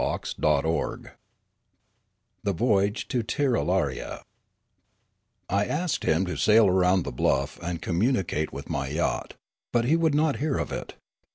CHAPTER XIV THE VOYAGE TO TIRRALARIA I ASKED him to sail round the bluff and communicate with my yacht. But he would not hear of it.